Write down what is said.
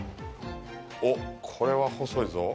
おっ、これは細いぞ。